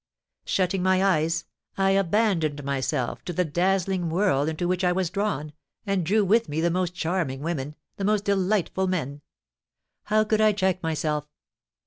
Shutting my eyes, I abandoned myself to the dazzling whirl into which I was drawn, and drew with me the most charming women, the most delightful men. How could I check myself?